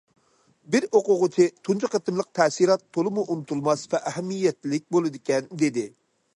بىر ئوقۇغۇچى:« تۇنجى قېتىملىق تەسىرات تولىمۇ ئۇنتۇلماس ۋە ئەھمىيەتلىك بولىدىكەن» دېدى.